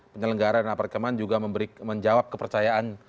penyelenggara dan aparat keamanan juga menjawab kepercayaan